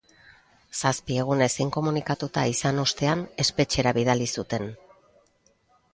Zazpi egunez inkomunikatuta izan ostean, espetxera bidali zuten.